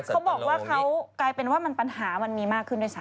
เขาบอกว่าไปเป็นว่ามันปัญหามีมากขึ้นด้วยซ้ำ